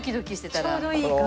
ちょうどいい感じ。